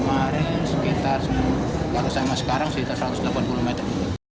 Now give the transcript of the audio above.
kemarin sekitar kalau sampai sekarang sekitar satu ratus delapan puluh meter